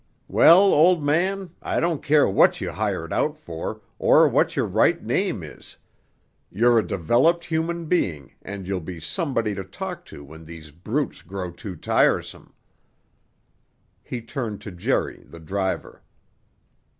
Well, old man, I don't care what you hired out for, or what your right name is; you're a developed human being and you'll be somebody to talk to when these brutes grow too tiresome." He turned to Jerry, the driver.